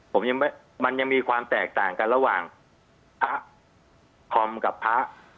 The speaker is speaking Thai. ผมยังไม่มันยังมีความแตกต่างกันระหว่างพระคอมกับพระ